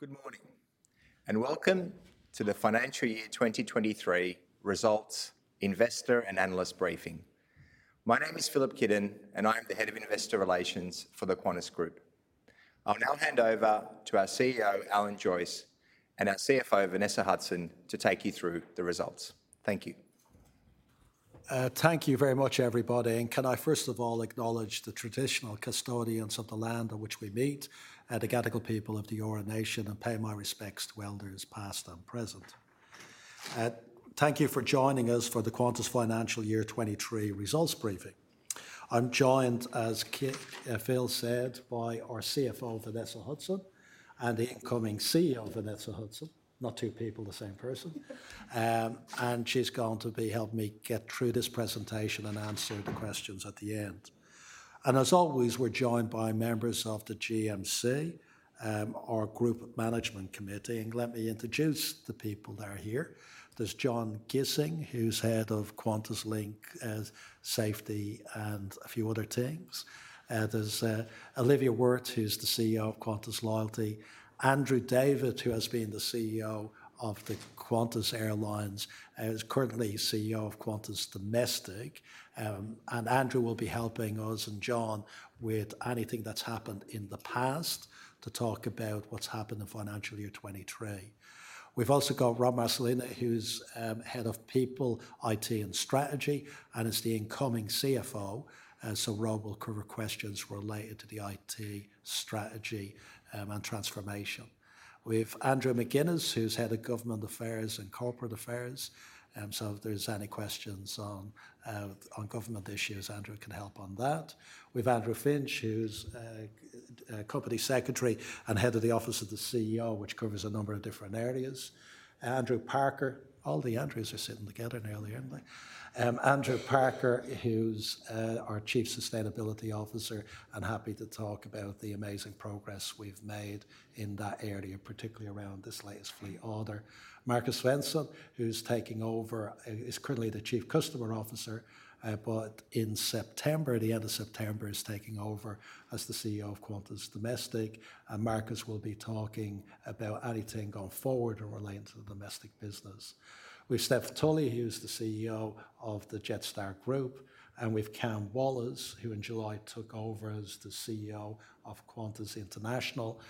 Good morning. Welcome to the Financial Year 2023 Results Investor and Analyst Briefing. My name is Filip Kidon, and I'm the Head of Investor Relations for the Qantas Group. I'll now hand over to our CEO, Alan Joyce, and our CFO, Vanessa Hudson, to take you through the results. Thank you. Thank you very much, everybody, can I first of all acknowledge the traditional custodians of the land on which we meet, the Gadigal people of the Eora Nation, and pay my respects to elders, past and present. Thank you for joining us for the Qantas financial year 2023 Results Briefing. I'm joined, as Phil said, by our CFO, Vanessa Hudson, and the incoming CEO, Vanessa Hudson. Not two people, the same person. She's going to be helping me get through this presentation and answer the questions at the end. As always, we're joined by members of the GMC, our Group Management Committee, and let me introduce the people that are here. There's John Gissing, who's Head of QantasLink, Safety and a few other things. There's Olivia Wirth, who's the CEO of Qantas Loyalty. Andrew David, who has been the CEO of the Qantas Airlines and is currently CEO of Qantas Domestic. Andrew will be helping us and John with anything that's happened in the past, to talk about what's happened in financial year 2023. We've also got Rob Marcolina, who's Head of People, IT, and Strategy, and is the incoming CFO. Rob will cover questions related to the IT strategy and transformation. We've Andrew McGinnes, who's Head of Government Affairs and Corporate Affairs, so if there's any questions on government issues, Andrew can help on that. We've Andrew Finch, who's Company Secretary and Head of the Office of the CEO, which covers a number of different areas. Andrew Parker... All the Andrews are sitting together nearly, aren't they? Andrew Parker, who's our Chief Sustainability Officer, happy to talk about the amazing progress we've made in that area, particularly around this latest fleet order. Markus Svensson, who's taking over, is currently the Chief Customer Officer, but in September, the end of September, is taking over as the CEO of Qantas Domestic. Marcus will be talking about anything going forward and relating to the domestic business. We've Stephanie Tully, who's the CEO of the Jetstar Group, we've Cam Wallace, who in July took over as the CEO of Qantas International,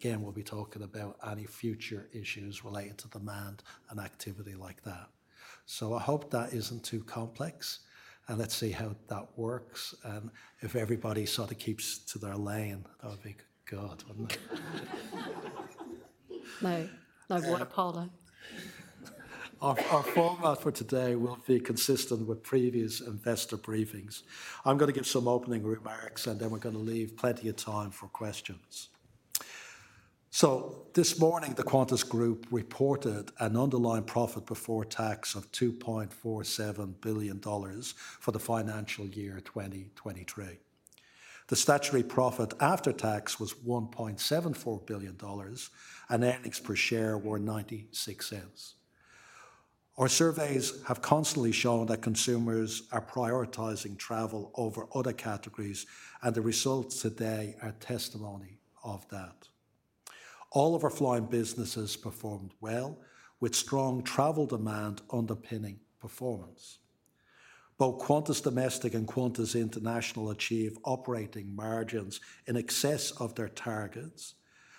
Cam will be talking about any future issues relating to demand and activity like that. I hope that isn't too complex, and let's see how that works. If everybody sort of keeps to their lane, that would be good, wouldn't it? No. No, what? Pardon. Our format for today will be consistent with previous investor briefings. I'm gonna give some opening remarks, and then we're gonna leave plenty of time for questions. This morning, the Qantas Group reported an underlying profit before tax of 2.47 billion dollars for the financial year 2023. The statutory profit after tax was 1.74 billion dollars, and earnings per share were 0.96. Our surveys have constantly shown that consumers are prioritizing travel over other categories, and the results today are testimony of that. All of our flying businesses performed well, with strong travel demand underpinning performance. Both Qantas Domestic and Qantas International achieved operating margins in excess of their targets,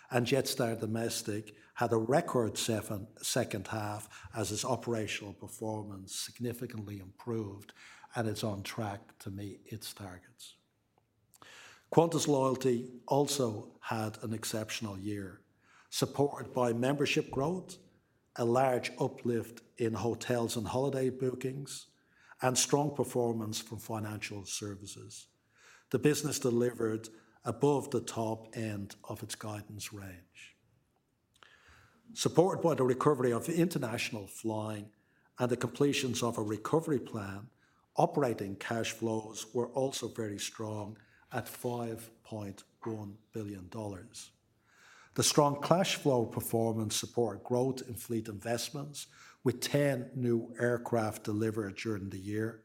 and Jetstar Domestic had a record second half as its operational performance significantly improved, and is on track to meet its targets. Qantas Loyalty also had an exceptional year, supported by membership growth, a large uplift in hotels and holiday bookings, and strong performance from financial services. The business delivered above the top end of its guidance range. Supported by the recovery of international flying and the completions of a recovery plan, operating cash flows were also very strong at 5.1 billion dollars. The strong cash flow performance support growth in fleet investments, with 10 new aircraft delivered during the year,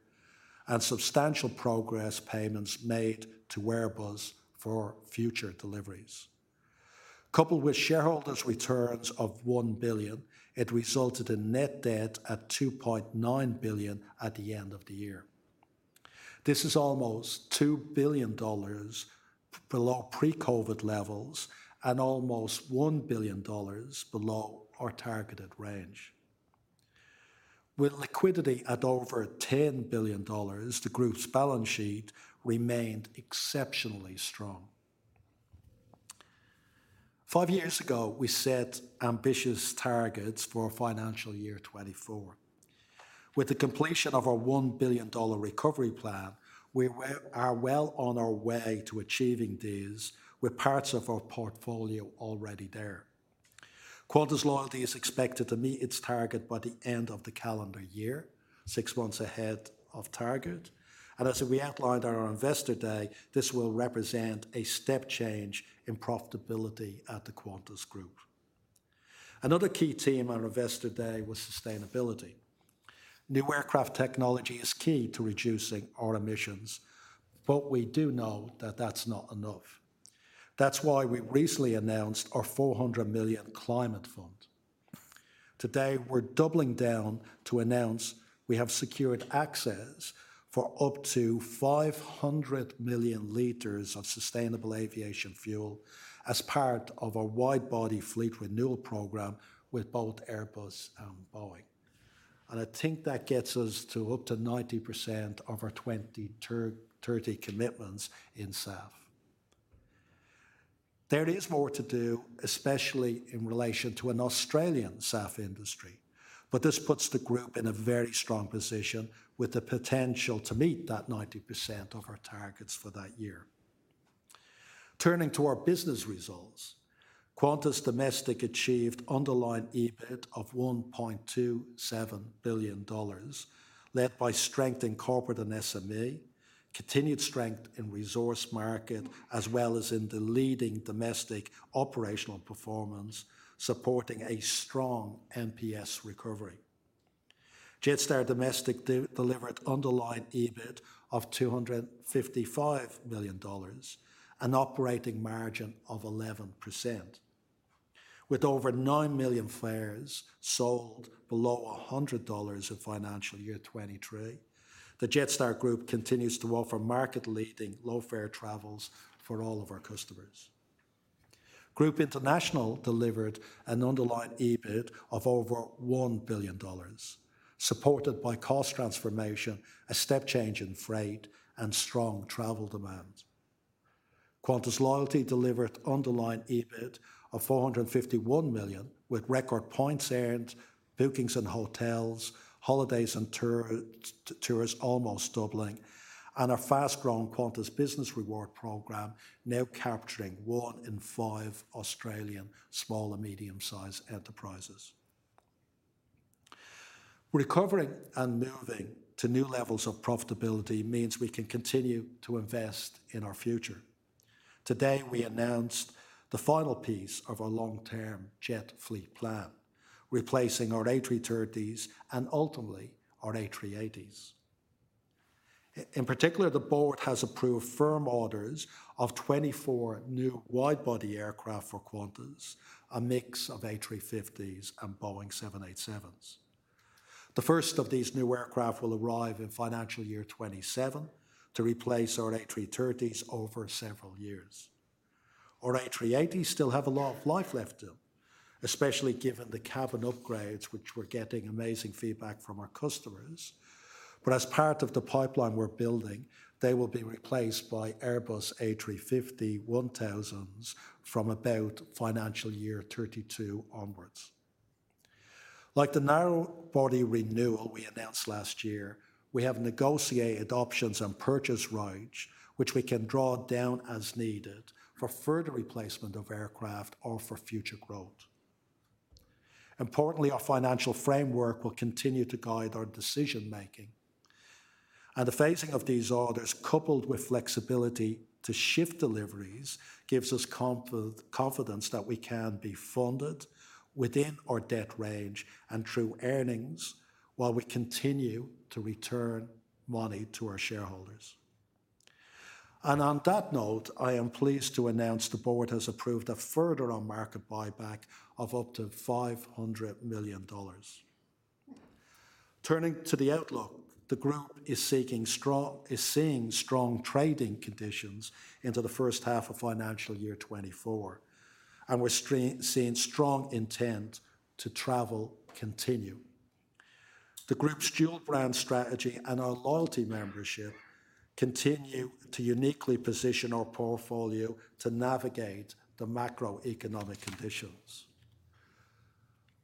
and substantial progress payments made to Airbus for future deliveries. Coupled with shareholders' returns of 1 billion, it resulted in net debt at 2.9 billion at the end of the year. This is almost 2 billion dollars below pre-COVID levels and almost 1 billion dollars below our targeted range. With liquidity at over 10 billion dollars, the group's balance sheet remained exceptionally strong. Five years ago, we set ambitious targets for financial year 2024. With the completion of our 1 billion dollar recovery plan, we are well on our way to achieving these, with parts of our portfolio already there. Qantas Loyalty is expected to meet its target by the end of the calendar year, six months ahead of target. As we outlined on our Investor Day, this will represent a step change in profitability at the Qantas Group. Another key theme on Investor Day was sustainability. New aircraft technology is key to reducing our emissions, we do know that that's not enough. That's why we recently announced our 400 million Climate Fund. Today, we're doubling down to announce we have secured access for up to 500 million liters of sustainable aviation fuel as part of our wide-body fleet renewal program with both Airbus and Boeing. I think that gets us to up to 90% of our 2030 commitments in SAF. There is more to do, especially in relation to an Australian SAF industry, but this puts the group in a very strong position with the potential to meet that 90% of our targets for that year. Turning to our business results, Qantas Domestic achieved underlying EBIT of 1.27 billion dollars, led by strength in corporate and SME, continued strength in resource market, as well as in the leading domestic operational performance, supporting a strong NPS recovery. Jetstar Domestic delivered underlying EBIT of 255 million dollars, an operating margin of 11%. With over 9 million fares sold below 100 dollars in financial year 2023, the Jetstar Group continues to offer market-leading low-fare travels for all of our customers. Qantas International delivered an underlying EBIT of over $1 billion, supported by cost transformation, a step change in freight, and strong travel demand. Qantas Loyalty delivered underlying EBIT of $451 million, with record points earned, bookings in hotels, holidays and tours almost doubling, and our fast-growing Qantas Business Rewards program now capturing 1 in 5 Australian small and medium-sized enterprises. Recovering and moving to new levels of profitability means we can continue to invest in our future. Today, we announced the final piece of our long-term jet fleet plan, replacing our A330s and ultimately our A380s. In particular, the board has approved firm orders of 24 new wide-body aircraft for Qantas, a mix of A350s and Boeing 787s. The first of these new aircraft will arrive in financial year 2027 to replace our A330s over several years. Our A380s still have a lot of life left in them, especially given the cabin upgrades, which we're getting amazing feedback from our customers. As part of the pipeline we're building, they will be replaced by Airbus A350-1000s from about financial year 2032 onwards. Like the narrow-body renewal we announced last year, we have negotiated options and purchase rights, which we can draw down as needed for further replacement of aircraft or for future growth. Importantly, our financial framework will continue to guide our decision-making, and the phasing of these orders, coupled with flexibility to shift deliveries, gives us confidence that we can be funded within our debt range and through earnings while we continue to return money to our shareholders. On that note, I am pleased to announce the board has approved a further on-market buyback of up to 500 million dollars. Turning to the outlook, the group is seeing strong trading conditions into the first half of financial year 2024, we're seeing strong intent to travel continue. The group's dual brand strategy and our loyalty membership continue to uniquely position our portfolio to navigate the macroeconomic conditions.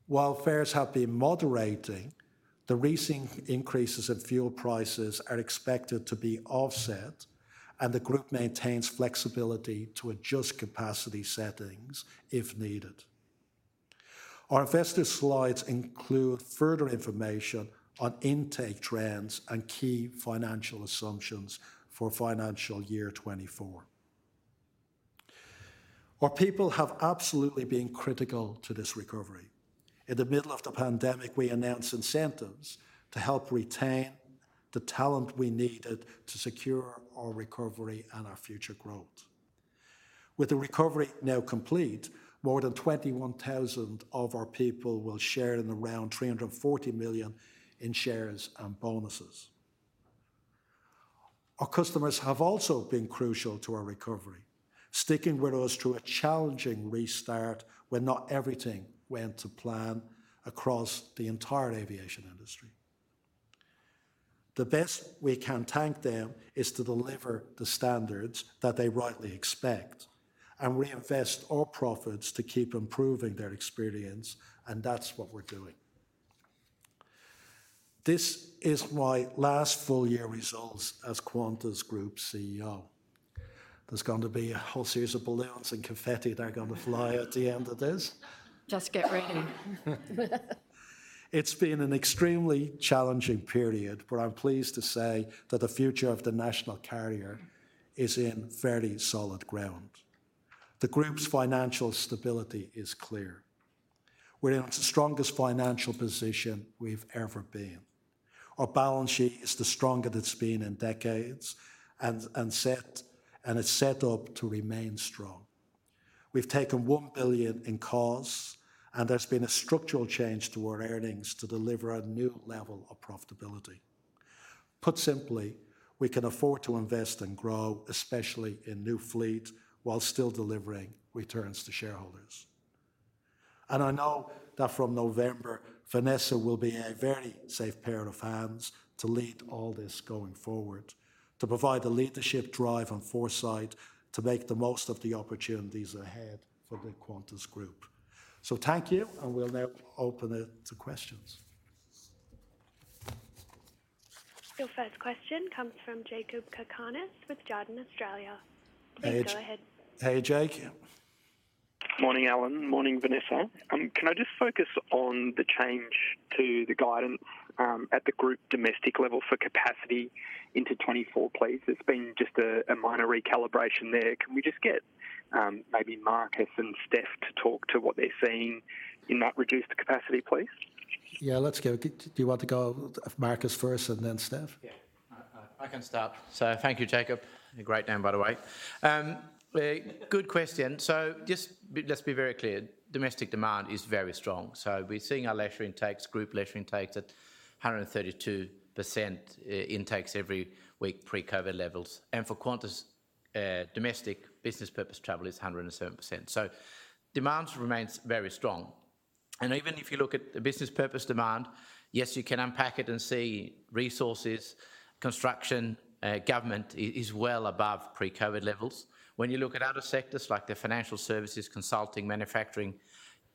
While fares have been moderating, the recent increases in fuel prices are expected to be offset, the group maintains flexibility to adjust capacity settings if needed. Our investor slides include further information on intake trends and key financial assumptions for financial year 2024. Our people have absolutely been critical to this recovery. In the middle of the pandemic, we announced incentives to help retain the talent we needed to secure our recovery and our future growth. With the recovery now complete, more than 21,000 of our people will share in around 340 million in shares and bonuses. Our customers have also been crucial to our recovery, sticking with us through a challenging restart when not everything went to plan across the entire aviation industry. The best we can thank them is to deliver the standards that they rightly expect and reinvest our profits to keep improving their experience. That's what we're doing. This is my last full year results as Qantas Group CEO. There's going to be a whole series of balloons and confetti that are going to fly at the end of this. Just get ready.... It's been an extremely challenging period, but I'm pleased to say that the future of the national carrier is in very solid ground. The group's financial stability is clear. We're in the strongest financial position we've ever been. Our balance sheet is the strongest it's been in decades, and it's set up to remain strong. We've taken 1 billion in costs, and there's been a structural change to our earnings to deliver a new level of profitability. Put simply, we can afford to invest and grow, especially in new fleet, while still delivering returns to shareholders. I know that from November, Vanessa will be a very safe pair of hands to lead all this going forward, to provide the leadership, drive, and foresight to make the most of the opportunities ahead for the Qantas Group. Thank you, and we'll now open it to questions. Your first question comes from Jakob Cakarnis with Jarden Australia. Please go ahead. Hey, Jake. Morning, Alan. Morning, Vanessa. Can I just focus on the change to the guidance, at the group domestic level for capacity into 24, please? It's been just a, a minor recalibration there. Can we just get, maybe Marcus and Steph to talk to what they're seeing in that reduced capacity, please? Yeah, let's go. Do you want to go Markus first and then Steph? Yeah. I, I, I can start. Thank you, Jakob. Great name, by the way. Good question. Just let's be very clear, domestic demand is very strong. We're seeing our leisure intakes, group leisure intakes at 132% intakes every week, pre-COVID levels. For Qantas, domestic business purpose travel is 107%. Demand remains very strong. Even if you look at the business purpose demand, yes, you can unpack it and see resources, construction, government is well above pre-COVID levels. When you look at other sectors like the financial services, consulting, manufacturing,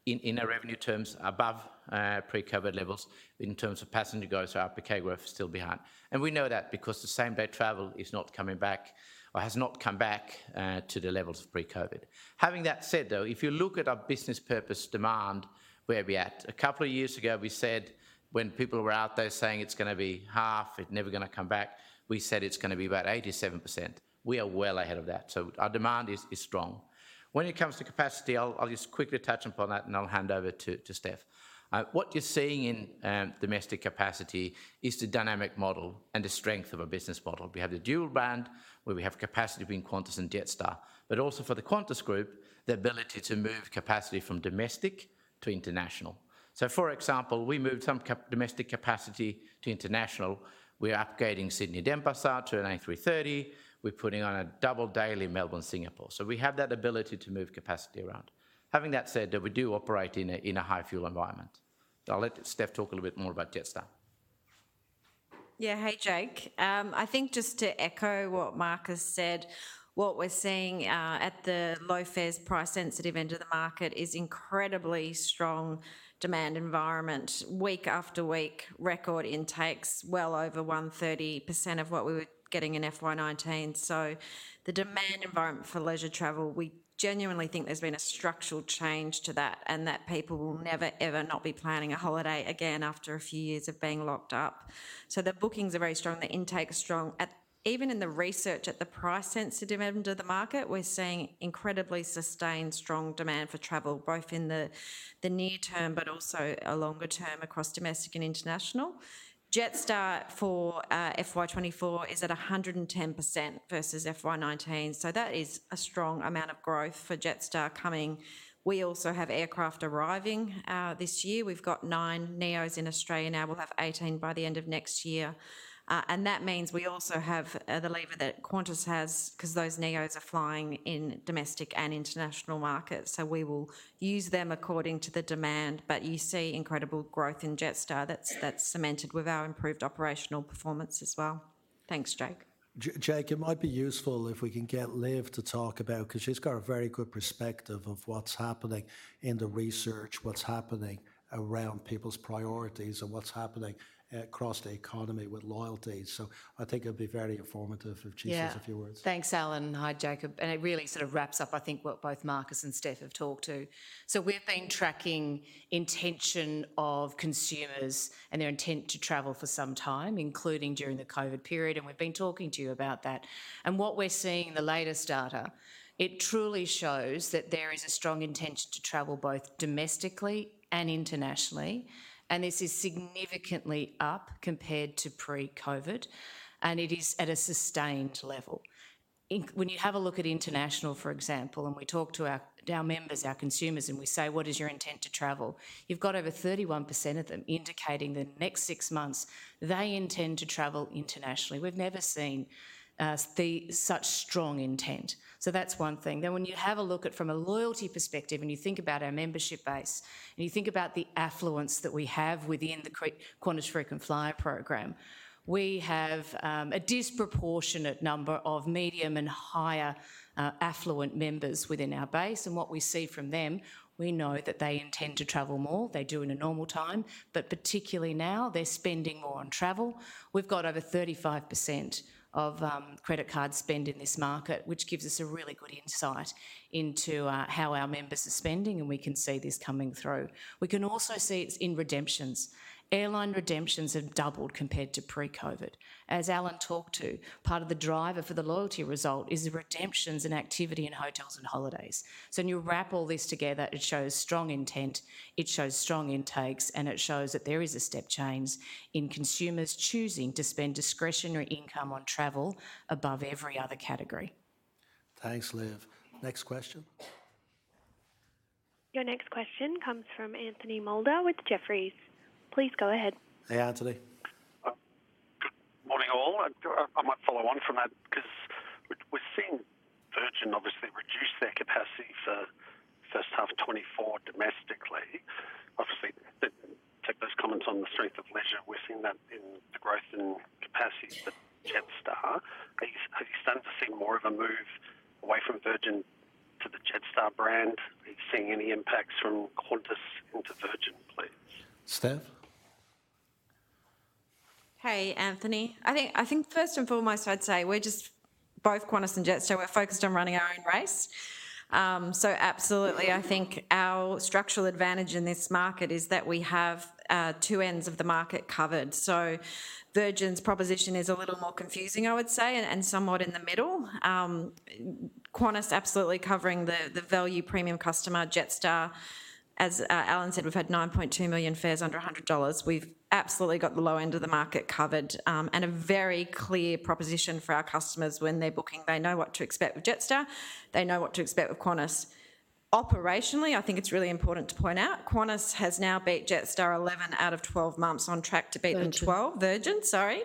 in revenue terms, above pre-COVID levels. In terms of passenger growth, RPK growth is still behind. We know that because the same day travel is not coming back or has not come back to the levels of pre-COVID. Having that said, though, if you look at our business purpose demand, where we're at, a couple of years ago, we said when people were out there saying it's gonna be half, it's never gonna come back, we said it's gonna be about 87%. We are well ahead of that, so our demand is strong. When it comes to capacity, I'll just quickly touch upon that, and I'll hand over to Steph. What you're seeing in domestic capacity is the dynamic model and the strength of our business model. We have the dual brand, where we have capacity between Qantas and Jetstar, but also for the Qantas Group, the ability to move capacity from domestic to international. For example, we moved some domestic capacity to international. We're upgrading Sydney-Denpasar to an A330. We're putting on a double daily Melbourne-Singapore. We have that ability to move capacity around. Having that said, that we do operate in a high fuel environment. I'll let Steph talk a little bit more about Jetstar. Yeah. Hey, Jake. I think just to echo what Markus said, what we're seeing at the low fares price sensitive end of the market is incredibly strong demand environment, week after week, record intakes well over 130% of what we were getting in FY 2019. The demand environment for leisure travel, we genuinely think there's been a structural change to that, and that people will never, ever not be planning a holiday again after a few years of being locked up. The bookings are very strong, the intake is strong. Even in the research at the price sensitive end of the market, we're seeing incredibly sustained, strong demand for travel, both in the, the near term, but also a longer term across domestic and international. Jetstar for FY 2024 is at 110% versus FY 2019. That is a strong amount of growth for Jetstar coming. We also have aircraft arriving this year. We've got nine NEOs in Australia now. We'll have 18 by the end of next year. That means we also have the lever that Qantas has, 'cause those NEOs are flying in domestic and international markets. We will use them according to the demand. You see incredible growth in Jetstar that's, that's cemented with our improved operational performance as well. Thanks, Jake. Jake, it might be useful if we can get Liv to talk about... 'Cause she's got a very good perspective of what's happening in the research, what's happening around people's priorities, and what's happening across the economy with loyalty. I think it'd be very informative if she says- Yeah... a few words. Thanks, Alan. Hi, Jakob, it really sort of wraps up, I think, what both Markus and Steph have talked to. We've been tracking intention of consumers and their intent to travel for some time, including during the COVID period, and we've been talking to you about that. What we're seeing in the latest data, it truly shows that there is a strong intention to travel both domestically and internationally, and this is significantly up compared to pre-COVID, and it is at a sustained level. When you have a look at international, for example, and we talk to our, our members, our consumers, and we say: "What is your intent to travel?" You've got over 31% of them indicating the next six months, they intend to travel internationally. We've never seen such strong intent. That's one thing. When you have a look at from a loyalty perspective, you think about our membership base, you think about the affluence that we have within the Qantas Frequent Flyer program, we have a disproportionate number of medium and higher affluent members within our base. What we see from them, we know that they intend to travel more. They do in a normal time, but particularly now, they're spending more on travel. We've got over 35% of credit card spend in this market, which gives us a really good insight into how our members are spending, and we can see this coming through. We can also see it in redemptions. Airline redemptions have doubled compared to pre-COVID. As Alan talked to, part of the driver for the loyalty result is the redemptions and activity in hotels and holidays. When you wrap all this together, it shows strong intent, it shows strong intakes, and it shows that there is a step change in consumers choosing to spend discretionary income on travel above every other category. Thanks, Liv. Next question? Your next question comes from Anthony Moulder with Jefferies. Please go ahead. Hey, Anthony. Good morning, all. I, I might follow on from that, 'cause we, we're seeing Virgin obviously reduce their capacity for first half 2024 domestically. Obviously, take those comments on the strength of leisure, we're seeing that in the growth in capacity for Jetstar. Are you, are you starting to see more of a move away from Virgin to the Jetstar brand? Are you seeing any impacts from Qantas into Virgin, please? Steph? Hey, Anthony. I think, I think first and foremost, I'd say we're just both Qantas and Jetstar, we're focused on running our own race. Absolutely, I think our structural advantage in this market is that we have two ends of the market covered. Virgin's proposition is a little more confusing, I would say, and somewhat in the middle. Qantas absolutely covering the value premium customer. Jetstar, as Alan said, we've had 9.2 million fares under 100 dollars. We've absolutely got the low end of the market covered, and a very clear proposition for our customers. When they're booking, they know what to expect with Jetstar, they know what to expect with Qantas. Operationally, I think it's really important to point out, Qantas has now beat Jetstar 11 out of 12 months, on track to beat them 12. Virgin. Virgin, sorry.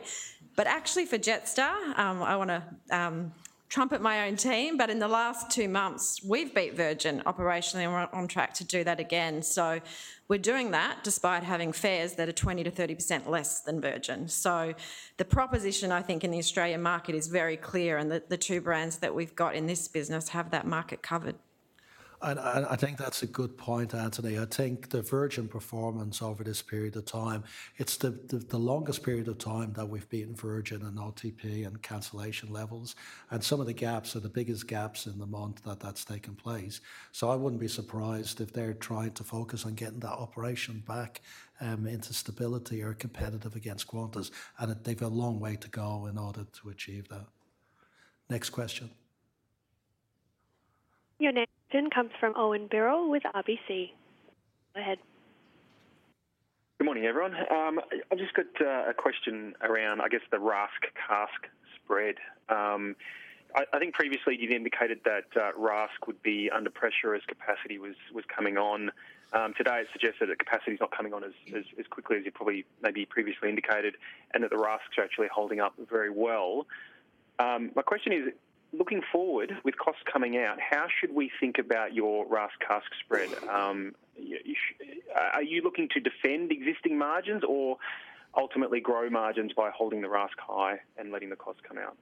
Actually for Jetstar, I wanna trumpet my own team, but in the last 2 months, we've beat Virgin operationally, and we're on track to do that again. We're doing that despite having fares that are 20%-30% less than Virgin. The proposition, I think, in the Australian market is very clear, and the, the two brands that we've got in this business have that market covered. I think that's a good point, Anthony. I think the Virgin performance over this period of time, it's the, the, the longest period of time that we've beaten Virgin in OTP and cancellation levels, and some of the gaps are the biggest gaps in the month that that's taken place. I wouldn't be surprised if they're trying to focus on getting that operation back into stability or competitive against Qantas, and that they've a long way to go in order to achieve that. Next question. Your next question comes from Owen Birrell with RBC. Go ahead. Good morning, everyone. I've just got a question around, I guess, the RASK-CASK spread. I, I think previously you've indicated that RASK would be under pressure as capacity was, was coming on. Today, it suggested that capacity is not coming on as, as, as quickly as you probably maybe previously indicated, and that the RASK is actually holding up very well. My question is: looking forward with costs coming out, how should we think about your RASK, CASK spread? Are you looking to defend existing margins or ultimately grow margins by holding the RASK high and letting the costs come out?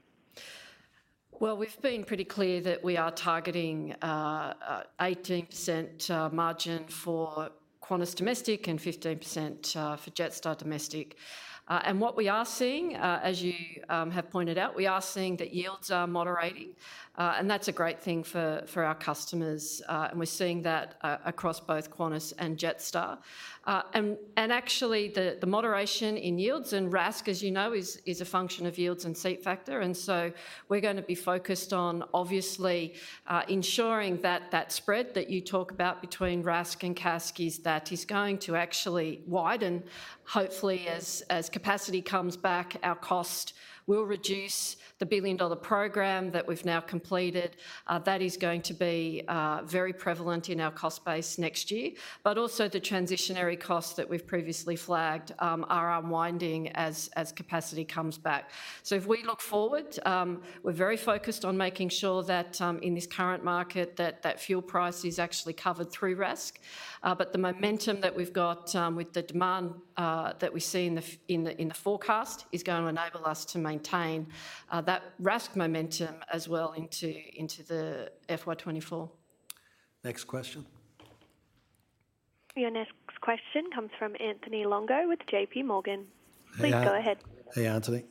Well, we've been pretty clear that we are targeting 18% margin for Qantas Domestic and 15% for Jetstar Domestic. What we are seeing, as you have pointed out, we are seeing that yields are moderating, and that's a great thing for our customers, and we're seeing that across both Qantas and Jetstar. Actually, the moderation in yields and RASK, as you know, is a function of yields and seat factor, and so we're gonna be focused on obviously ensuring that that spread that you talk about between RASK and CASK that is going to actually widen. Hopefully, as, as capacity comes back, our cost will reduce. The billion-dollar program that we've now completed that is going to be very prevalent in our cost base next year. Also the transitionary costs that we've previously flagged are unwinding as capacity comes back. If we look forward, we're very focused on making sure that in this current market, that fuel price is actually covered through RASK. The momentum that we've got with the demand that we see in the forecast is going to enable us to maintain that RASK momentum as well into, into the FY 2024. Next question. Your next question comes from Anthony Longo with JP Morgan. Please go ahead. Hey, Anthony.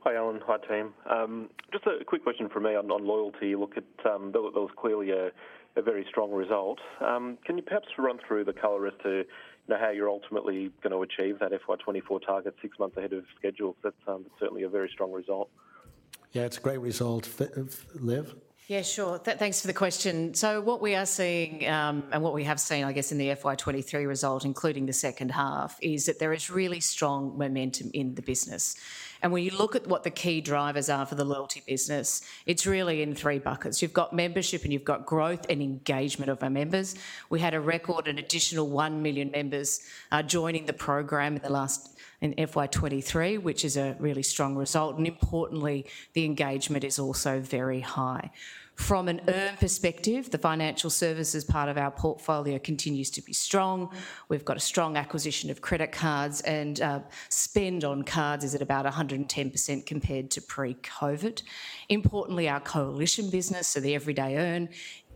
Hi, Alan. Hi, team. Just a quick question from me on, on loyalty. There was, there was clearly a, a very strong result. Can you perhaps run through the color as to, you know, how you're ultimately gonna achieve that FY 2024 target 6 months ahead of schedule? That's, certainly a very strong result. Yeah, it's a great result. Liv? Yeah, sure. Thanks for the question. What we are seeing, and what we have seen, I guess, in the FY 2023 result, including the second half, is that there is really strong momentum in the business. When you look at what the key drivers are for the loyalty business, it's really in three buckets. You've got membership, and you've got growth and engagement of our members. We had a record and additional 1 million members joining the program in the last, in FY 2023, which is a really strong result, and importantly, the engagement is also very high. From an earn perspective, the financial services part of our portfolio continues to be strong. We've got a strong acquisition of credit cards, and spend on cards is at about 110% compared to pre-COVID. Importantly, our coalition business, so the everyday earn,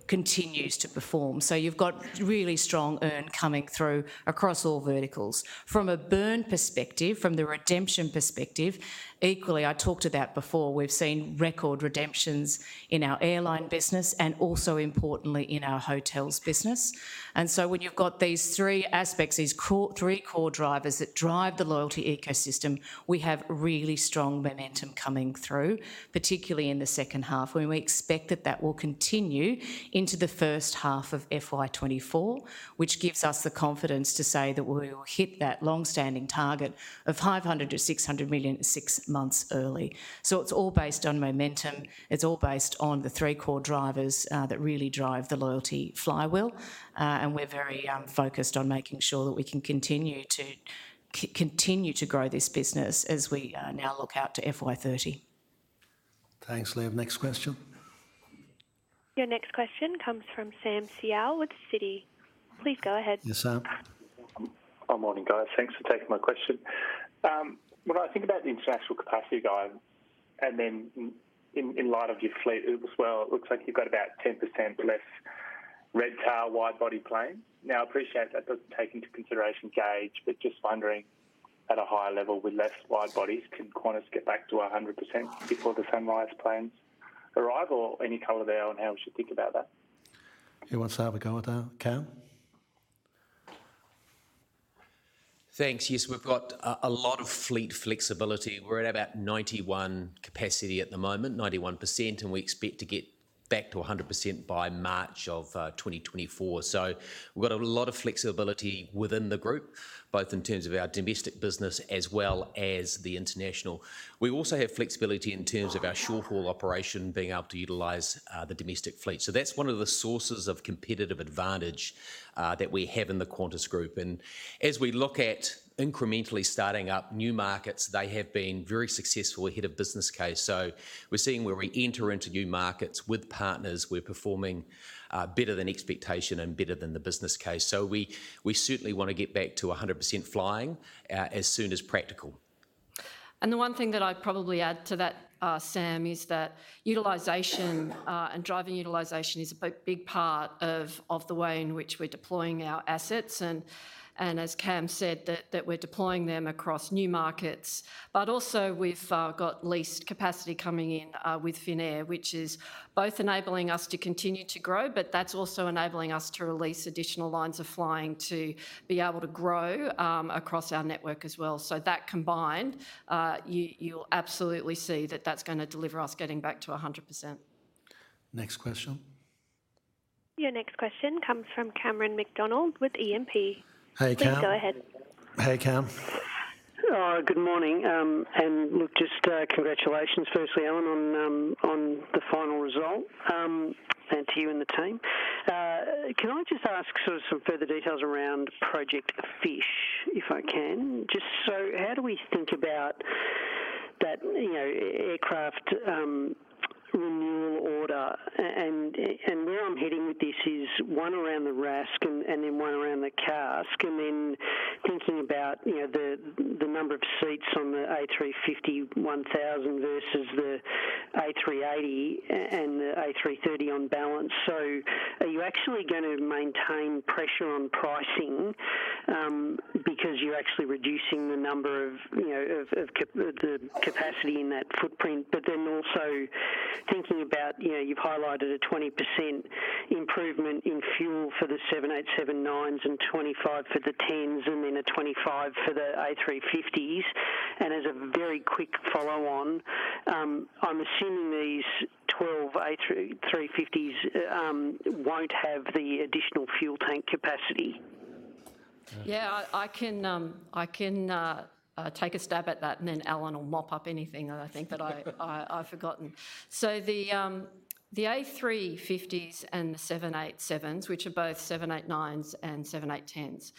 continues to perform. You've got really strong earn coming through across all verticals. From a burn perspective, from the redemption perspective, equally, I talked to that before, we've seen record redemptions in our airline business and also importantly in our hotels business. When you've got these three aspects, these three core drivers that drive the loyalty ecosystem, we have really strong momentum coming through, particularly in the second half, when we expect that that will continue into the first half of FY 2024, which gives us the confidence to say that we will hit that long-standing target of 500 million-600 million six months early. It's all based on momentum. It's all based on the 3 core drivers that really drive the loyalty flywheel and we're very focused on making sure that we can continue to continue to grow this business as we now look out to FY 2030. Thanks, Liv. Next question? Your next question comes from Samuel Seow with Citi. Please go ahead. Yes, Sam. Good morning, guys. Thanks for taking my question. When I think about the international capacity guide, and then in, in light of your fleet as well, it looks like you've got about 10% less red tail wide-body plane. Now, I appreciate that doesn't take into consideration gauge, but just wondering, at a higher level, with less wide bodies, can Qantas get back to 100% before the Sunrise planes arrive, or any color there on how we should think about that? Who wants to have a go at that? Cam? Thanks. Yes, we've got a lot of fleet flexibility. We're at about 91 capacity at the moment, 91%, and we expect to get back to 100% by March 2024. We've got a lot of flexibility within the group, both in terms of our domestic business as well as the international. We also have flexibility in terms of our short-haul operation, being able to utilize the domestic fleet. That's one of the sources of competitive advantage, that we have in the Qantas Group. As we look at incrementally starting up new markets, they have been very successful ahead of business case. We're seeing where we enter into new markets with partners, we're performing, better than expectation and better than the business case. We, we certainly want to get back to 100% flying, as soon as practical. The one thing that I'd probably add to that, Sam, is that utilization and driving utilization is a big, big part of, of the way in which we're deploying our assets. As Cam said, that, that we're deploying them across new markets, but also we've got leased capacity coming in with Finnair, which is both enabling us to continue to grow, but that's also enabling us to release additional lines of flying to be able to grow across our network as well. That combined, you, you'll absolutely see that that's gonna deliver us getting back to 100%. Next question. Your next question comes from Cameron McDonald with E&P. Hey, Cam. Please, go ahead. Hey, Cam. Good morning, look, just congratulations, firstly, Alan, on the final result, and to you and the team. Can I just ask sort of some further details around Project Fysh, if I can? Just so how do we think about that, you know, aircraft renewal order? Where I'm heading with this is, one, around the RASK and then one around the CASK, and then thinking about, you know, the number of seats on the A350-1000 versus the A380 and the A330 on balance. Are you actually gonna maintain pressure on pricing, because you're actually reducing the number of, you know, of the capacity in that footprint? Then also thinking about, you know, you've highlighted a 20% improvement in fuel for the 787-9s and 25 for the 10s, and then a 25 for the A350s. As a very quick follow-on, I'm assuming these 12 A350s won't have the additional fuel tank capacity. Yeah, I, I can, I can take a stab at that, and then Alan will mop up anything that I think that I've forgotten. The A350s and the 787s, which are both 787-9s and 787-10s,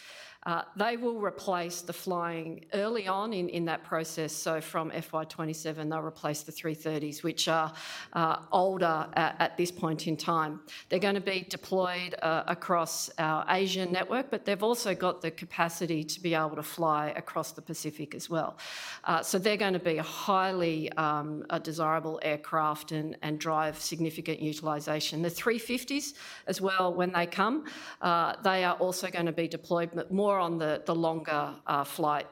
they will replace the flying early on in that process. From FY 2027, they'll replace the A330s, which are older at this point in time. They're gonna be deployed across our Asian network, but they've also got the capacity to be able to fly across the Pacific as well. They're gonna be a highly a desirable aircraft and drive significant utilization. The A350s as well, when they come, they are also gonna be deployed more on the longer flight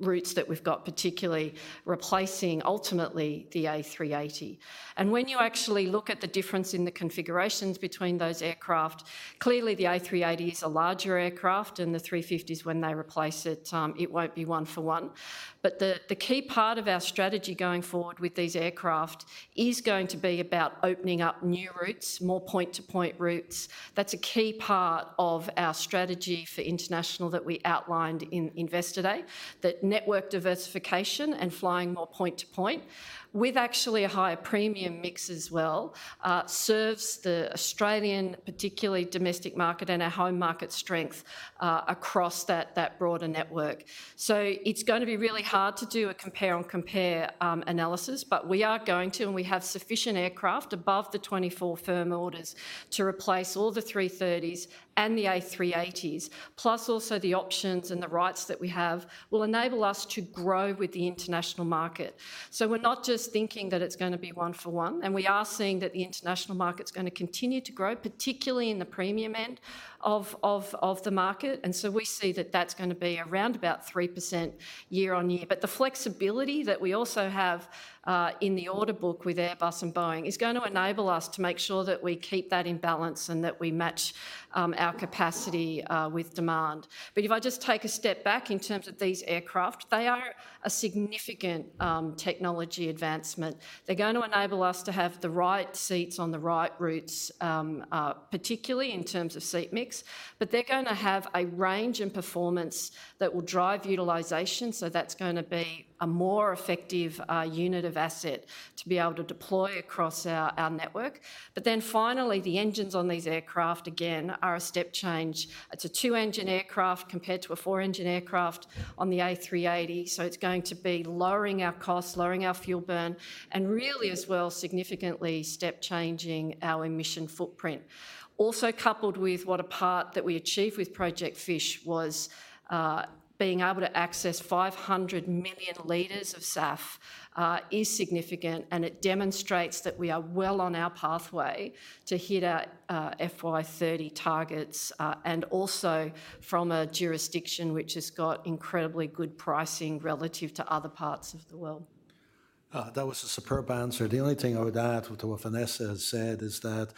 routes that we've got, particularly replacing ultimately the A380. When you actually look at the difference in the configurations between those aircraft, clearly the A380 is a larger aircraft, and the A350s, when they replace it, it won't be one for one. The, the key part of our strategy going forward with these aircraft is going to be about opening up new routes, more point-to-point routes. That's a key part of our strategy for international that we outlined in Investor Day, that network diversification and flying more point to point, with actually a higher premium mix as well, serves the Australian, particularly domestic market and our home market strength, across that, that broader network. It's gonna be really hard to do a compare on compare analysis, but we are going to, and we have sufficient aircraft above the 24 firm orders to replace all the A330s and the A380s. Also the options and the rights that we have will enable us to grow with the international market. We're not just thinking that it's gonna be 1 for 1, and we are seeing that the international market's gonna continue to grow, particularly in the premium end of, of, of the market, and so we see that that's gonna be around about 3% year on year. The flexibility that we also have in the order book with Airbus and Boeing is gonna enable us to make sure that we keep that in balance and that we match our capacity with demand. If I just take a step back in terms of these aircraft, they are a significant technology advancement. They're going to enable us to have the right seats on the right routes, particularly in terms of seat mix. They're gonna have a range and performance that will drive utilization, so that's gonna be a more effective unit of asset to be able to deploy across our network. Then finally, the engines on these aircraft, again, are a step change. It's a two-engine aircraft compared to a four-engine aircraft on the A380, so it's going to be lowering our costs, lowering our fuel burn, and really as well, significantly step changing our emission footprint. Coupled with what a part that we achieved with Project Fysh was being able to access 500 million liters of SAF is significant, and it demonstrates that we are well on our pathway to hit our FY 2030 targets and also from a jurisdiction which has got incredibly good pricing relative to other parts of the world. That was a superb answer. The only thing I would add to what Vanessa has said is that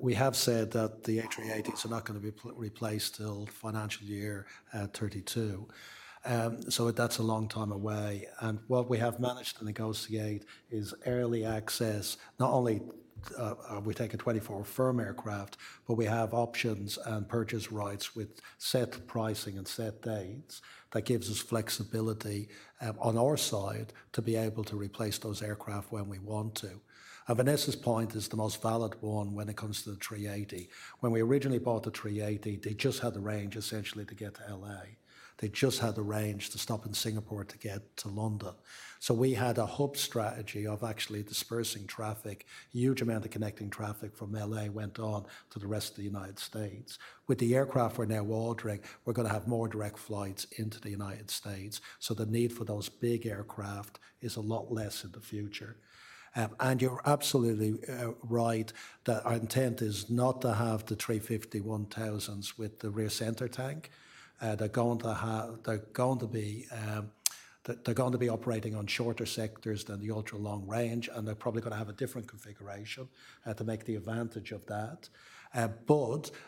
we have said that the A380s are not going to be replaced till financial year 2032. That's a long time away, and what we have managed to negotiate is early access. Not only are we taking 24 firm aircraft, but we have options and purchase rights with set pricing and set dates that gives us flexibility on our side to be able to replace those aircraft when we want to. Vanessa's point is the most valid one when it comes to the A380. When we originally bought the A380, they just had the range essentially to get to L.A. They just had the range to stop in Singapore to get to London. We had a hub strategy of actually dispersing traffic. Huge amount of connecting traffic from L.A. went on to the rest of the United States. With the aircraft we're now ordering, we're gonna have more direct flights into the United States, so the need for those big aircraft is a lot less in the future. You're absolutely right that our intent is not to have the A350-1000s with the rear center tank. They're going to have they're going to be they're, they're going to be operating on shorter sectors than the ultra-long range, and they're probably gonna have a different configuration to make the advantage of that.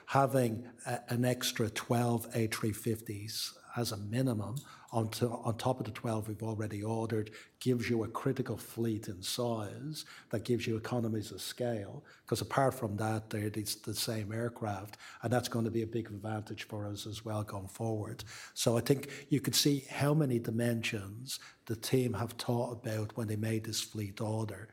Having an extra 12 A350s as a minimum onto on top of the 12 we've already ordered, gives you a critical fleet and size that gives you economies of scale. 'Cause apart from that, they're the, the same aircraft, and that's going to be a big advantage for us as well going forward. I think you could see how many dimensions the team have thought about when they made this fleet order.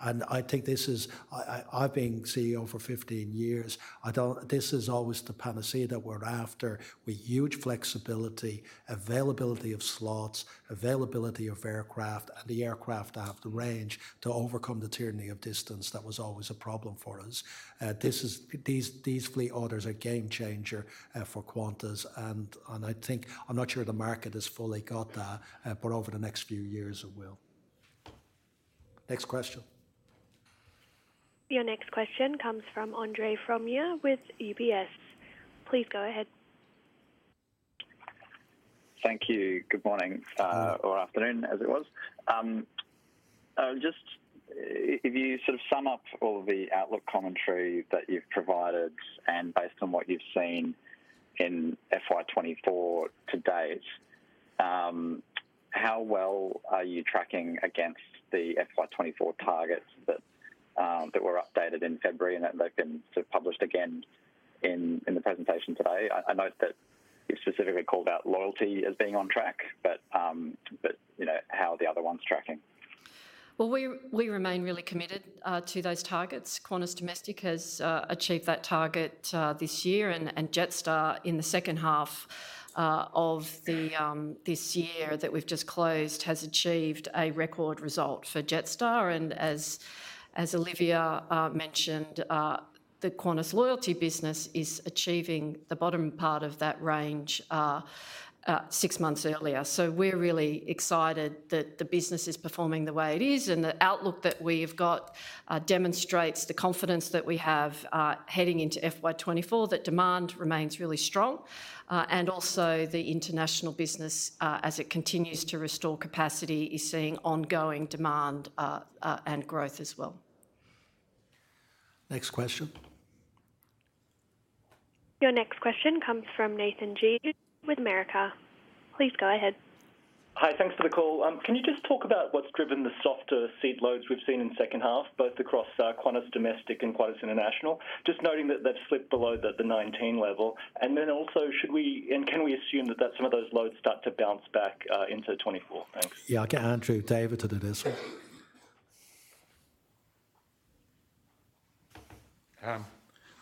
I think this is. I, I, I've been CEO for 15 years. I don't. This is always the panacea that we're after with huge flexibility, availability of slots, availability of aircraft, and the aircraft have the range to overcome the tyranny of distance that was always a problem for us. This is. These, these fleet orders are game changer for Qantas, and, and I think. I'm not sure the market has fully got that, but over the next few years, it will. Next question. Your next question comes from Andre Fromyhr with UBS. Please go ahead. Thank you. Good morning, or afternoon, as it was. Just if you sort of sum up all the outlook commentary that you've provided and based on what you've seen in FY 2024 to date, how well are you tracking against the FY 2024 targets that were updated in February, and that they've been sort of published again in the presentation today? I note that you specifically called out Loyalty as being on track, but, you know, how are the other ones tracking? Well, we, we remain really committed to those targets. Qantas Domestic has achieved that target this year, and Jetstar in the second half of this year that we've just closed, has achieved a record result for Jetstar. As Olivia mentioned, the Qantas Loyalty business is achieving the bottom part of that range 6 months earlier. We're really excited that the business is performing the way it is, and the outlook that we've got demonstrates the confidence that we have heading into FY 2024, that demand remains really strong. Also the international business, as it continues to restore capacity, is seeing ongoing demand and growth as well. Next question. Your next question comes from Nathan Guedes with Macquarie. Please go ahead. Hi, thanks for the call. Can you just talk about what's driven the softer seat loads we've seen in the second half, both across Qantas Domestic and Qantas International? Just noting that they've slipped below the 19 level. Then also, should we, and can we assume that some of those loads start to bounce back into 2024? Thanks. Yeah. I'll get Andrew David to do this one.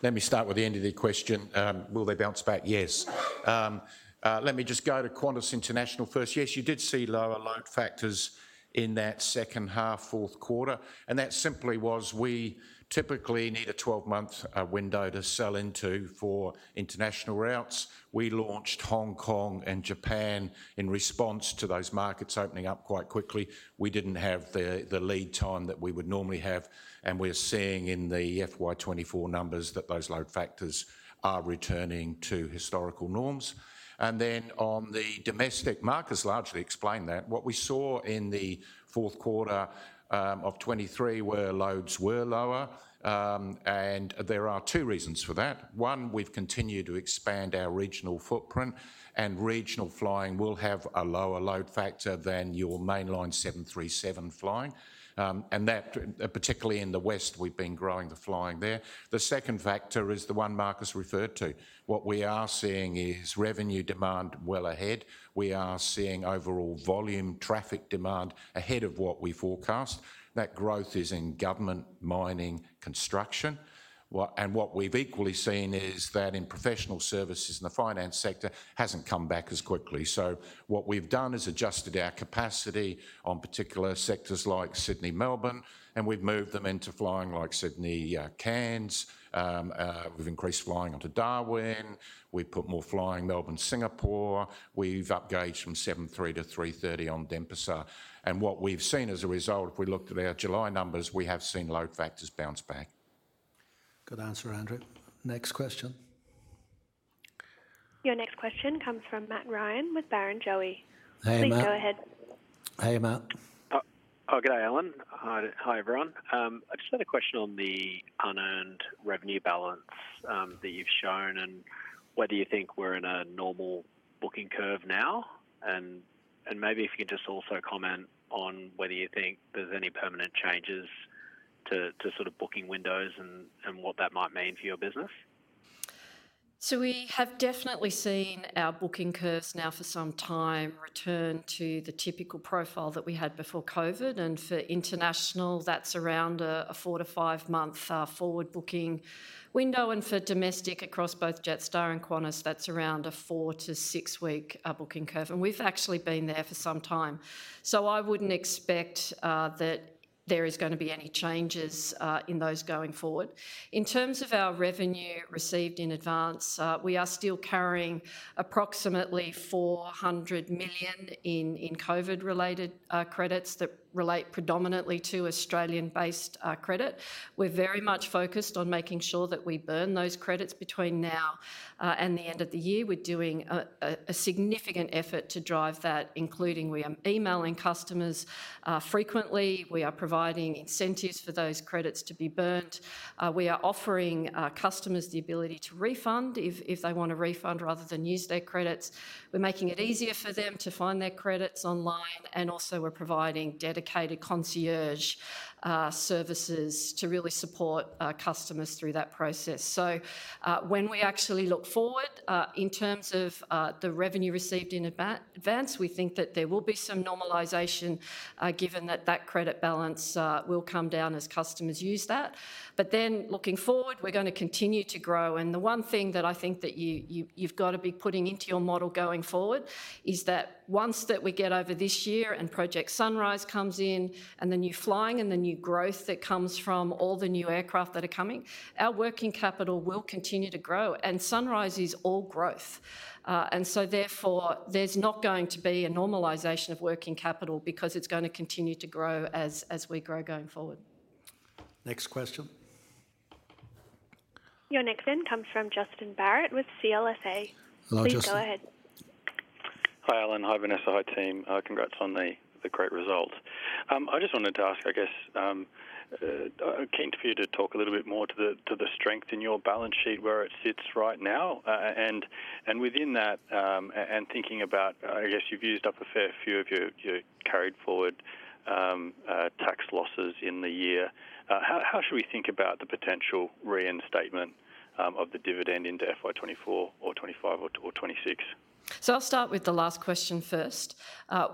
Let me start with the end of the question. Will they bounce back? Yes. Let me just go to Qantas International first. Yes, you did see lower load factors in that second half, fourth quarter, and that simply was we typically need a 12-month window to sell into for international routes. We launched Hong Kong and Japan in response to those markets opening up quite quickly. We didn't have the lead time that we would normally have, and we're seeing in the FY 2024 numbers that those load factors are returning to historical norms. Then on the domestic markets, largely explained that, what we saw in the fourth quarter of 2023 where loads were lower, and there are two reasons for that. One, we've continued to expand our regional footprint, regional flying will have a lower load factor than your mainline 737 flying. That, particularly in the west, we've been growing the flying there. The second factor is the one Markus referred to. What we are seeing is revenue demand well ahead. We are seeing overall volume traffic demand ahead of what we forecast. That growth is in government, mining, construction. What we've equally seen is that in professional services and the finance sector, hasn't come back as quickly. What we've done is adjusted our capacity on particular sectors like Sydney, Melbourne, we've moved them into flying like Sydney, Cairns. We've increased flying into Darwin. We've put more flying Melbourne, Singapore. We've up gauged from 737 to A330 on Denpasar. What we've seen as a result, if we looked at our July numbers, we have seen load factors bounce back. Good answer, Andrew. Next question? Your next question comes from Matthew Ryan with Barrenjoey. Hey, Matt. Please go ahead. Hey, Matt. Oh, oh, good day, Alan. Hi, hi, everyone. I just had a question on the unearned revenue balance, that you've shown, and whether you think we're in a normal booking curve now? Maybe if you could just also comment on whether you think there's any permanent changes to, to sort of booking windows and, and what that might mean for your business. We have definitely seen our booking curves now for some time return to the typical profile that we had before COVID, and for international, that's around a 4-5 month forward booking window, and for domestic, across both Jetstar and Qantas, that's around a 4-6 week booking curve. We've actually been there for some time. I wouldn't expect that there is gonna be any changes in those going forward. In terms of our revenue received in advance, we are still carrying approximately 400 million in COVID-related credits that relate predominantly to Australian-based credit. We're very much focused on making sure that we burn those credits between now and the end of the year. We're doing a significant effort to drive that, including we are emailing customers frequently, we are providing incentives for those credits to be burnt, we are offering customers the ability to refund if, if they want a refund rather than use their credits. We're making it easier for them to find their credits online, and also we're providing dedicated concierge services to really support customers through that process. When we actually look forward in terms of the revenue received in advance, we think that there will be some normalization given that that credit balance will come down as customers use that. Looking forward, we're gonna continue to grow, and the one thing that I think that you, you, you've got to be putting into your model going forward, is that once that we get over this year and Project Sunrise comes in, and the new flying and the new growth that comes from all the new aircraft that are coming, our working capital will continue to grow, and Sunrise is all growth. Therefore, there's not going to be a normalization of working capital because it's gonna continue to grow as, as we grow going forward. Next question. Your next in comes from Justin Barratt with CLSA. Hello, Justin. Please go ahead. Hi, Alan. Hi, Vanessa. Hi, team. Congrats on the, the great result. I just wanted to ask, I guess, keen for you to talk a little bit more to the, to the strength in your balance sheet, where it sits right now. And, and within that, and thinking about, I guess you've used up a fair few of your, your carried forward, tax losses in the year. How, how should we think about the potential reinstatement of the dividend into FY 2024 or 2025 or 2026? I'll start with the last question first.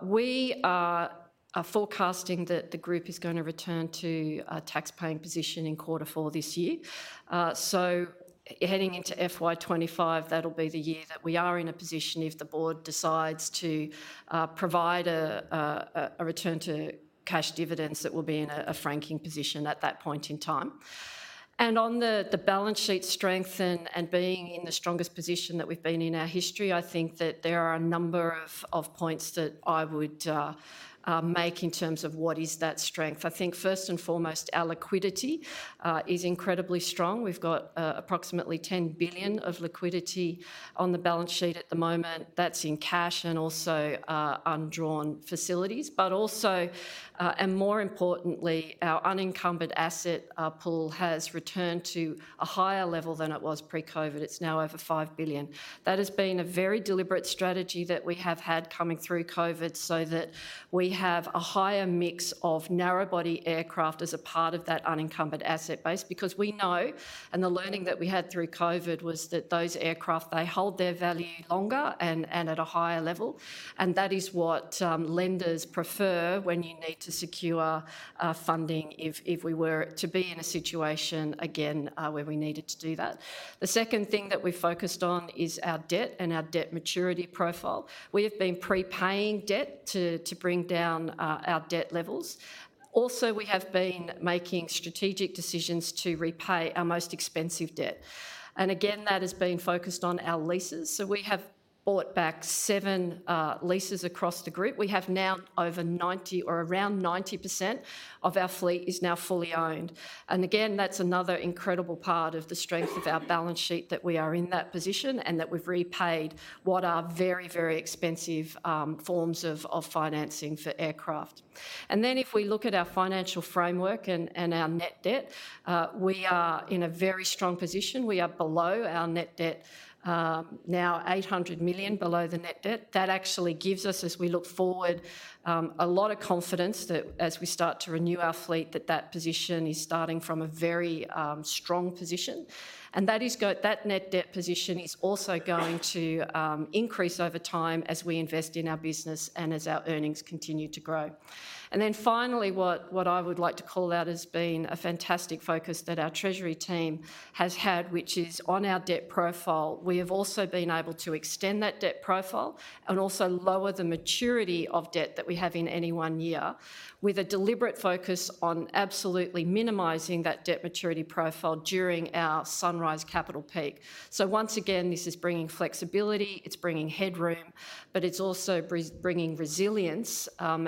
We are, are forecasting that the Group is gonna return to a tax-paying position in quarter four this year. Heading into FY 2025, that'll be the year that we are in a position if the Board decides to provide a, a, a return to cash dividends that will be in a, a franking position at that point in time. On the, the balance sheet strength and, and being in the strongest position that we've been in our history, I think that there are a number of, of points that I would make in terms of what is that strength. I think first and foremost, our liquidity is incredibly strong. We've got approximately 10 billion of liquidity on the balance sheet at the moment. That's in cash and also, undrawn facilities. Also, and more importantly, our unencumbered asset pool has returned to a higher level than it was pre-COVID. It's now over 5 billion. That has been a very deliberate strategy that we have had coming through COVID so that we have a higher mix of narrow body aircraft as a part of that unencumbered asset base, because we know, and the learning that we had through COVID was that those aircraft, they hold their value longer and, and at a higher level, and that is what lenders prefer when you need to secure funding if, if we were to be in a situation again where we needed to do that. The second thing that we focused on is our debt and our debt maturity profile. We have been pre-paying debt to bring down our debt levels. Also, we have been making strategic decisions to repay our most expensive debt. Again, that has been focused on our leases, so we have bought back 7 leases across the Group. We have now over 90 or around 90% of our fleet is now fully owned. Again, that's another incredible part of the strength of our balance sheet, that we are in that position, and that we've repaid what are very, very expensive forms of financing for aircraft. If we look at our financial framework and our net debt, we are in a very strong position. We are below our net debt, now 800 million below the net debt. That actually gives us, as we look forward, a lot of confidence that as we start to renew our fleet, that that position is starting from a very strong position. That net debt position is also going to increase over time as we invest in our business and as our earnings continue to grow. Then finally, what, what I would like to call out has been a fantastic focus that our treasury team has had, which is on our debt profile. We have also been able to extend that debt profile and also lower the maturity of debt that we have in any one year, with a deliberate focus on absolutely minimizing that debt maturity profile during our Sunrise capital peak. Once again, this is bringing flexibility, it's bringing headroom, but it's also bringing resilience,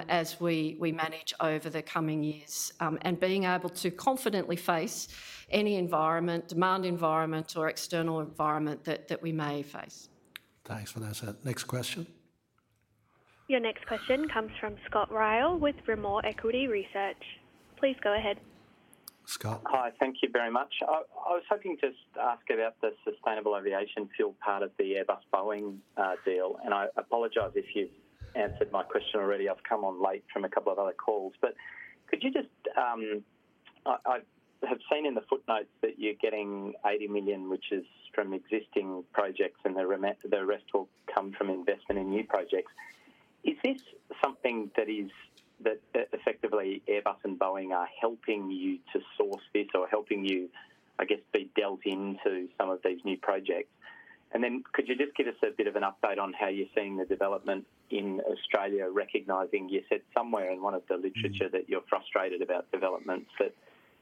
as we manage over the coming years, and being able to confidently face any environment, demand environment, or external environment that we may face. Thanks, Vanessa. Next question? Your next question comes from Scott Ryall with Rimor Equity Research. Please go ahead. Scott. Hi, thank you very much. I was hoping to ask about the sustainable aviation fuel part of the Airbus Boeing deal. I apologize if you've answered my question already. I've come on late from a couple of other calls. Could you just, I have seen in the footnotes that you're getting 80 million, which is from existing projects, the rest will come from investment in new projects. Is this something that effectively Airbus and Boeing are helping you to source this or helping you, I guess, be dealt into some of these new projects? Then could you just give us a bit of an update on how you're seeing the development in Australia, recognizing you said somewhere in one of the literature that you're frustrated about developments, but,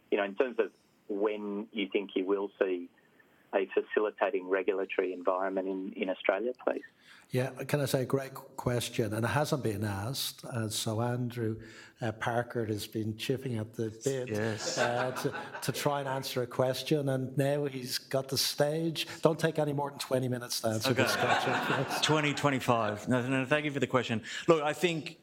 you know, in terms of when you think you will see a facilitating regulatory environment in, in Australia, please? Yeah. Can I say, great question, and it hasn't been asked. Andrew Parker has been chipping at the bit- Yes. to, to try and answer a question, and now he's got the stage. Don't take any more than 20 minutes to answer this, Scott. Okay. 2025. No, no, thank you for the question. Look, I think,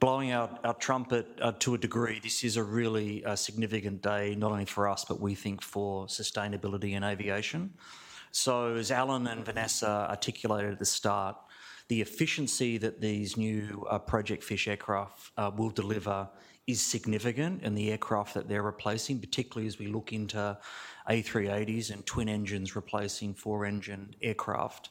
blowing out our trumpet to a degree, this is a really significant day, not only for us, but we think for sustainability and aviation. As Alan and Vanessa articulated at the start, the efficiency that these new Project Fysh aircraft will deliver is significant in the aircraft that they're replacing, particularly as we look into A380s and twin engines replacing four-engined aircraft.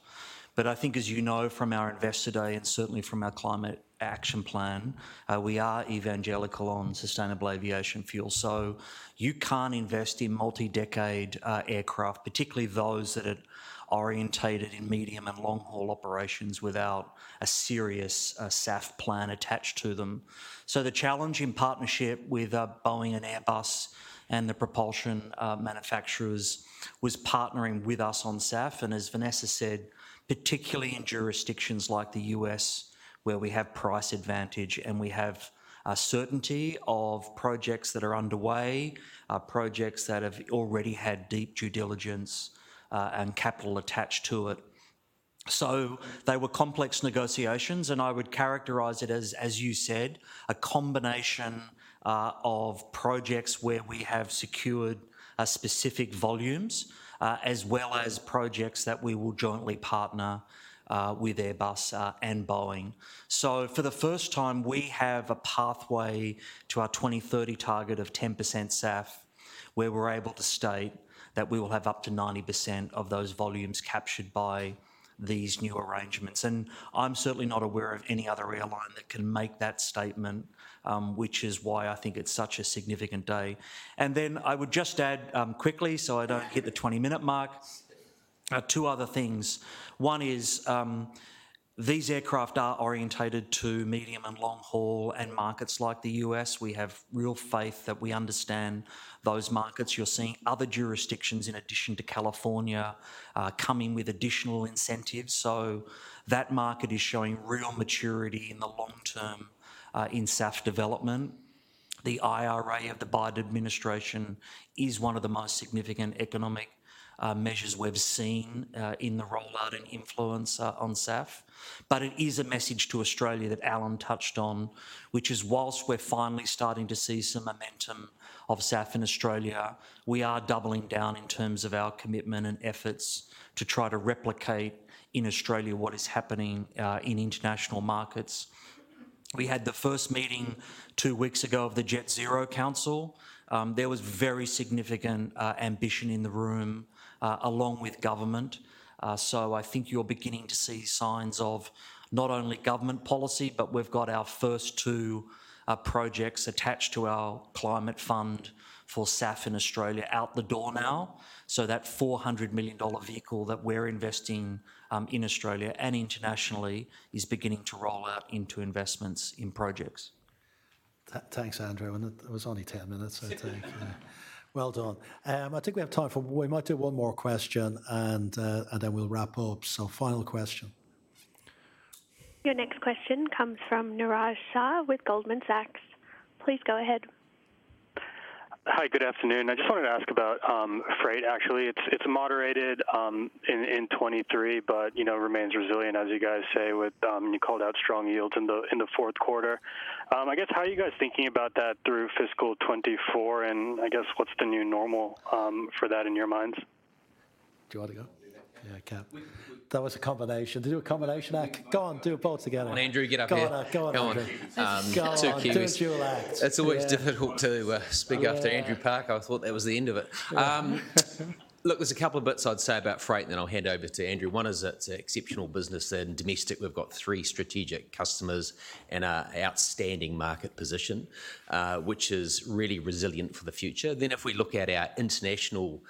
I think, as you know from our Investor Day and certainly from our climate action plan, we are evangelical on sustainable aviation fuel. You can't invest in multi-decade aircraft, particularly those that are orientated in medium and long-haul operations, without a serious SAF plan attached to them. The challenge in partnership with Boeing and Airbus, and the propulsion manufacturers, was partnering with us on SAF, and as Vanessa said, particularly in jurisdictions like the U.S., where we have price advantage, and we have a certainty of projects that are underway, projects that have already had deep due diligence, and capital attached to it. They were complex negotiations, and I would characterize it as, as you said, a combination of projects where we have secured a specific volumes, as well as projects that we will jointly partner with Airbus and Boeing. For the first time, we have a pathway to our 2030 target of 10% SAF, where we're able to state that we will have up to 90% of those volumes captured by these new arrangements. I'm certainly not aware of any other airline that can make that statement, which is why I think it's such a significant day. Then I would just add quickly, so I don't hit the 20-minute mark, 2 other things. One is, these aircraft are oriented to medium and long haul and markets like the US. We have real faith that we understand those markets. You're seeing other jurisdictions in addition to California coming with additional incentives, so that market is showing real maturity in the long term in SAF development. The IRA of the Biden administration is one of the most significant economic measures we've seen in the rollout and influence on SAF. It is a message to Australia that Alan touched on, which is whilst we're finally starting to see some momentum of SAF in Australia, we are doubling down in terms of our commitment and efforts to try to replicate in Australia what is happening in international markets. We had the first meeting two weeks ago of the Jet Zero Council. There was very significant ambition in the room along with government. I think you're beginning to see signs of not only government policy, but we've got our first two projects attached to our Climate Fund for SAF in Australia out the door now. That 400 million dollar vehicle that we're investing in Australia and internationally is beginning to roll out into investments in projects. Thanks, Andrew. It was only 10 minutes, I think. Well done. I think we have time for. We might do one more question, and then we'll wrap up. Final question. Your next question comes from Niraj Shah with Goldman Sachs. Please go ahead. Hi, good afternoon. I just wanted to ask about freight, actually. It's, it's moderated in 2023, but, you know, remains resilient, as you guys say, with you called out strong yields in the fourth quarter. I guess, how are you guys thinking about that through fiscal 2024, and I guess what's the new normal for that in your minds? Do you want to go? Yeah, okay. That was a combination. Did you do a combination act? Go on, do it both together. Come on, Andrew, get up here. Go on, go on, Andrew. Come on. Go on, do a dual act. It's always difficult to speak after Andrew Parker. I thought that was the end of it. Look, there's a couple of bits I'd say about freight. Then I'll hand over to Andrew. One is it's exceptional business and Domestic. We've got three strategic customers and a outstanding market position, which is really resilient for the future. If we look at our International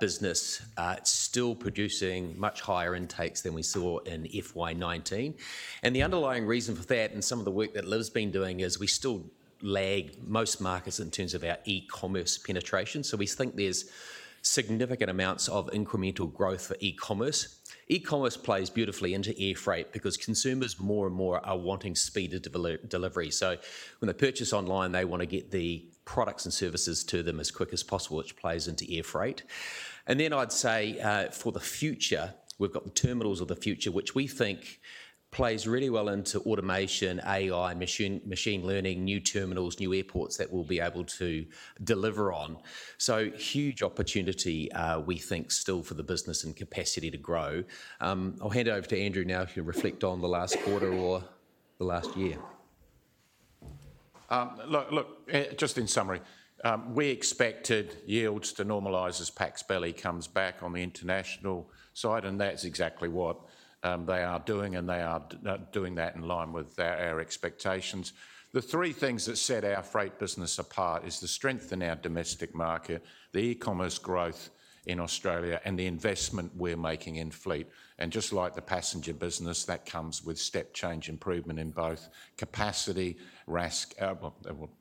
business, it's still producing much higher intakes than we saw in FY 2019. The underlying reason for that and some of the work that Liv been doing is we still lag most markets in terms of our e-commerce penetration. We think there's-... significant amounts of incremental growth for e-commerce. E-commerce plays beautifully into air freight because consumers more and more are wanting speeded delivery. When they purchase online, they want to get the products and services to them as quick as possible, which plays into air freight. Then I'd say, for the future, we've got the terminals of the future, which we think plays really well into automation, AI, machine learning, new terminals, new airports that we'll be able to deliver on. Huge opportunity, we think, still for the business and capacity to grow. I'll hand it over to Andrew now, if you reflect on the last quarter or the last year. Look, look, just in summary, we expected yields to normalize as pax belly comes back on the international side, and that's exactly what they are doing, and they are doing that in line with our, our expectations. The three things that set our freight business apart is the strength in our domestic market, the e-commerce growth in Australia, and the investment we're making in fleet. Just like the passenger business, that comes with step change improvement in both capacity, RASK, well,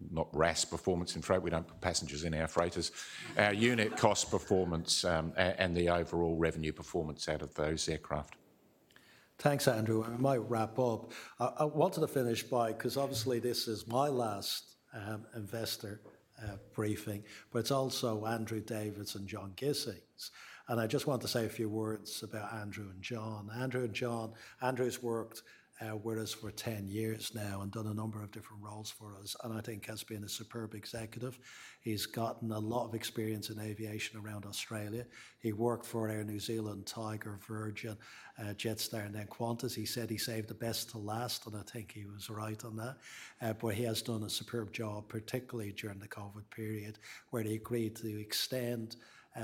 not RASK performance in freight. We don't put passengers in our freighters. Our unit cost performance, and the overall revenue performance out of those aircraft. Thanks, Andrew. I might wrap up. I, I wanted to finish by 'cause obviously this is my last investor briefing, but it's also Andrew David's and John Gissing's, and I just want to say a few words about Andrew and John. Andrew and John. Andrew's worked with us for 10 years now and done a number of different roles for us, and I think has been a superb executive. He's gotten a lot of experience in aviation around Australia. He worked for Air New Zealand, Tiger, Virgin, Jetstar, and then Qantas. He said he saved the best to last, and I think he was right on that. He has done a superb job, particularly during the COVID period, where he agreed to extend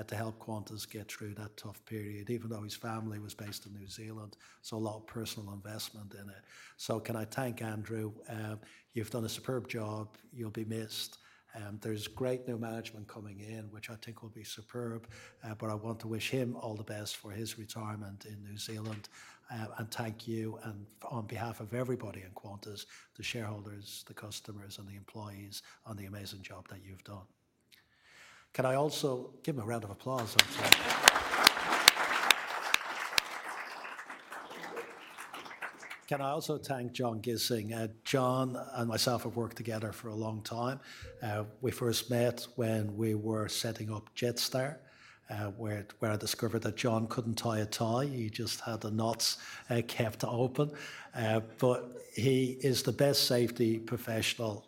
to help Qantas get through that tough period, even though his family was based in New Zealand, so a lot of personal investment in it. Can I thank Andrew. You've done a superb job. You'll be missed. There's great new management coming in, which I think will be superb, I want to wish him all the best for his retirement in New Zealand. Thank you and on behalf of everybody in Qantas, the shareholders, the customers, and the employees, on the amazing job that you've done. Can I also give him a round of applause? Can I also thank John Gissing? John and myself have worked together for a long time. We first met when we were setting up Jetstar, where, where I discovered that John couldn't tie a tie. He just had the knots kept open. He is the best safety professional,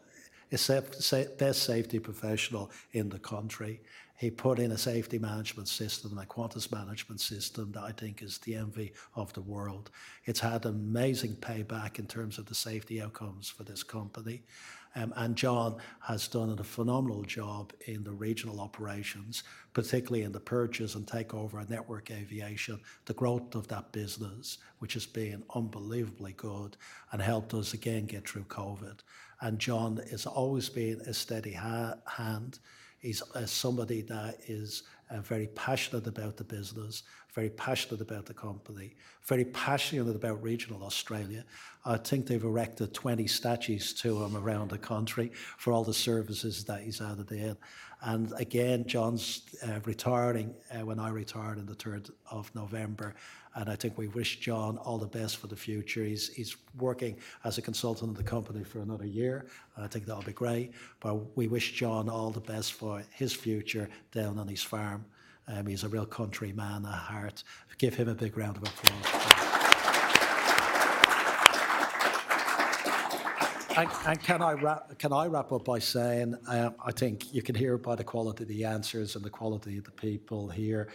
except to say, best safety professional in the country. He put in a safety management system, the Qantas Group Management System, that I think is the envy of the world. It's had amazing payback in terms of the safety outcomes for this company. John has done a phenomenal job in the regional operations, particularly in the purchase and takeover of Network Aviation, the growth of that business, which has been unbelievably good and helped us again, get through COVID. John has always been a steady hand. He's somebody that is very passionate about the business, very passionate about the company, very passionate about regional Australia. I think they've erected 20 statues to him around the country for all the services that he's out there. Again, John's retiring when I retire on the 3rd of November, I think we wish John all the best for the future. He's, he's working as a consultant of the company for another year, I think that'll be great. We wish John all the best for his future down on his farm. He's a real country man at heart. Give him a big round of applause. Can I wrap, can I wrap up by saying, I think you can hear by the quality of the answers and the quality of the people here,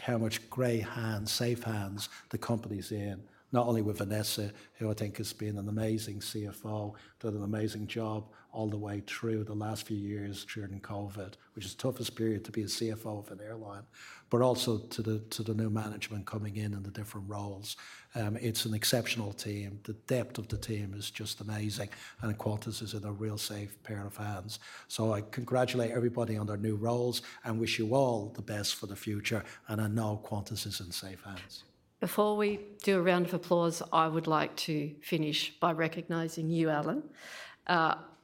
how, how much great hands, safe hands the company's in, not only with Vanessa, who I think has been an amazing CFO, done an amazing job all the way through the last few years during COVID, which is the toughest period to be a CFO of an airline, but also to the, to the new management coming in and the different roles. It's an exceptional team. The depth of the team is just amazing, and Qantas is in a real safe pair of hands. I congratulate everybody on their new roles and wish you all the best for the future, and I know Qantas is in safe hands. Before we do a round of applause, I would like to finish by recognizing you, Alan.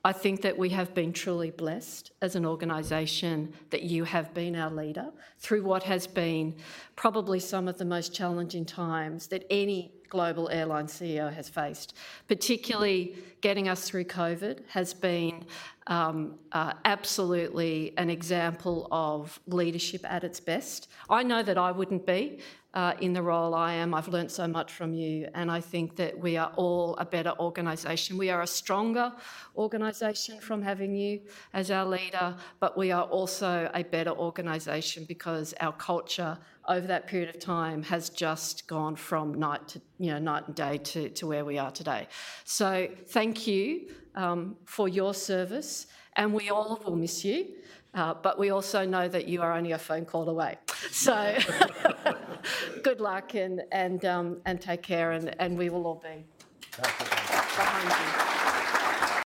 I think that we have been truly blessed as an organization, that you have been our leader through what has been probably some of the most challenging times that any global airline CEO has faced. Particularly, getting us through COVID has been absolutely an example of leadership at its best. I know that I wouldn't be in the role I am. I've learned so much from you. I think that we are all a better organization. We are a stronger organization from having you as our leader. We are also a better organization because our culture over that period of time has just gone from night to, you know, night and day to, to where we are today. Thank you, for your service, and we all will miss you, but we also know that you are only a phone call away. Good luck, and, and, and take care, and, and we will all be- Thank you. behind you.